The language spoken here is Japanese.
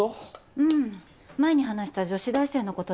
うん前に話した女子大生のことで。